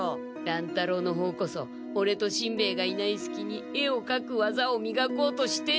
乱太郎の方こそオレとしんべヱがいないすきに絵をかくわざをみがこうとして。